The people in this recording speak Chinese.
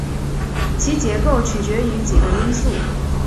其结构取决于几个因素。